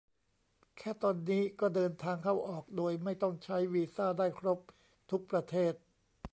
แค่ตอนนี้ก็เดินทางเข้าออกโดยไม่ต้องใช้วีซ่าได้ครบทุกประเทศ